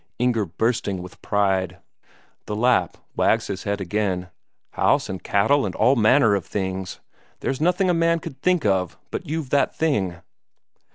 Inger bursting with pride. The Lapp wags his head again: "House and cattle and all manner of things. There's nothing a man could think of but you've that thing."